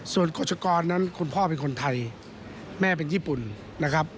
ส่วนโฆษกรนั้นคุณพ่อเป็นคนไทยแม่เป็นญี่ปุ่นนะครับ